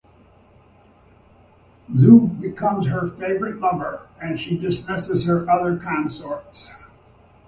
Xue becomes her favourite lover and she dismisses her other consorts.